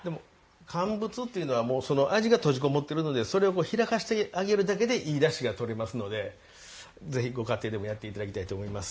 乾物というのは味が閉じこもっているのでそれを開かせてあげるだけでいいだしが取れますのでぜひご家庭でもやっていただきたいと思います。